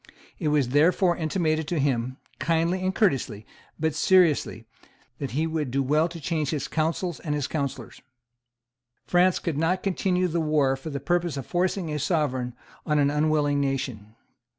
It was therefore intimated to him, kindly and courteously, but seriously, that he would do well to change his counsels and his counsellors. France could not continue the war for the purpose of forcing a Sovereign on an unwilling nation.